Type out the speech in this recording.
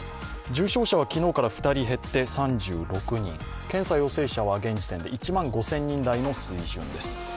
重症者は昨日から２人減って３６人、検査陽性者は現時点で１万５０００人台の水準です。